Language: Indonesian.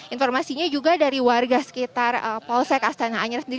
informasinya juga dari warga sekitar polsek astana anyar sendiri